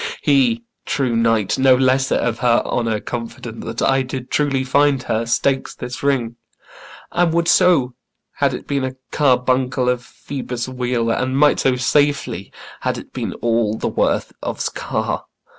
He, true knight, No lesser of her honour confident Than I did truly find her, stakes this ring; And would so, had it been a carbuncle Of Phoebus' wheel; and might so safely, had it Been all the worth of's car.